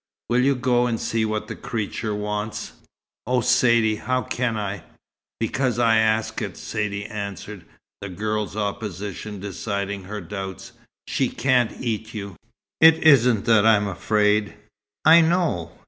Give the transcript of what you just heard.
Will you go and see what the creature wants?" "Oh, Saidee, how can I?" "Because I ask it," Saidee answered, the girl's opposition deciding her doubts. "She can't eat you." "It isn't that I'm afraid " "I know!